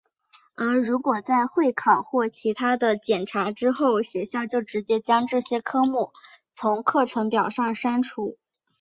而如果在会考或其它的检查之后学校就直接将这些科目从课程表上删除。